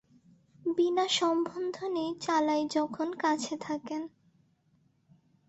বিনা সম্বোধনেই চালাই যখন কাছে থাকেন।